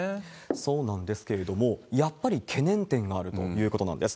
そうなんですけれども、やっぱり懸念点があるということなんです。